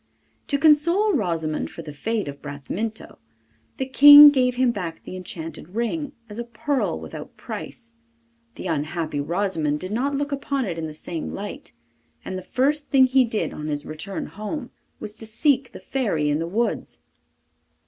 To console Rosimond for the fate of Bramintho, the King gave him back the enchanted ring, as a pearl without price. The unhappy Rosimond did not look upon it in the same light, and the first thing he did on his return home was to seek the Fairy in the woods.